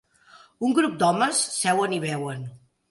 Un grup d'homes seuen i beuen